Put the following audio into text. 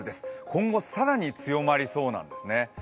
今後更に強まりそうなんですね。